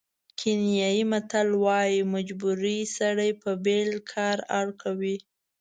کینیايي متل وایي مجبوري سړی په بېل کار اړ کوي.